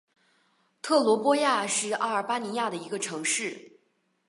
特罗波亚是阿尔巴尼亚的一个城市。